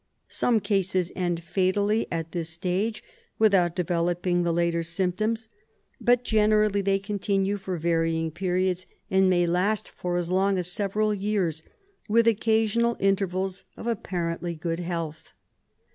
Some cases end fatally at this stage without developing the later symptoms, but generally they continue for varying periods, and may last as long as several years, with occa sional intervals of apparently good health.